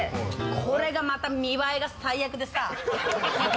これがまた見栄えが最悪でさ。